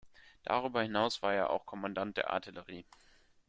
Darüber hinaus war er auch Kommandant der Artillerie.